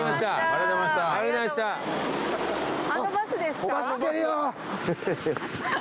あのバスですか？